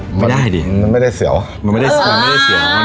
เออไม่ได้ดิมันไม่ได้เสียวมันไม่ได้เสียวอ่า